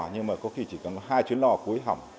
nhưng mà có khi chỉ cần có hai chuyến lò cuối hỏng